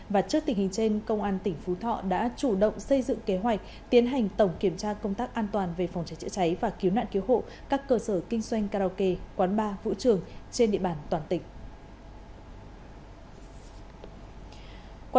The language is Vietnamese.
và trước tình hình trên công an tỉnh phú thọ đã chủ động xây dựng kế hoạch tiến hành tổng kiểm tra công tác an toàn về phòng cháy chữa cháy và cứu nạn cứu hộ các cơ sở kinh doanh karaoke quán bar vũ trường trên địa bàn toàn tỉnh